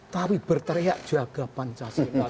tapi berteriak jaga pancasila